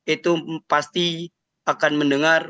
itu pasti akan mendengar